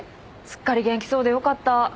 すっかり元気そうでよかった。